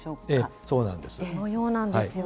そのようなんですよね。